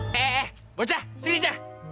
eh eh eh bocah sini cah